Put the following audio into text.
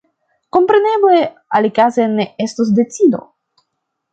Kompreneble, alikaze ne estus decido.